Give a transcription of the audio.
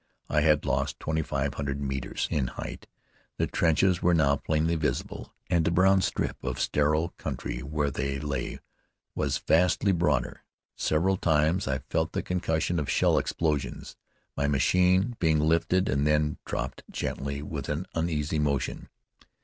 I had lost twenty five hundred metres in height. The trenches were now plainly visible, and the brown strip of sterile country where they lay was vastly broader. Several times I felt the concussion of shell explosions, my machine being lifted and then dropped gently with an uneasy motion.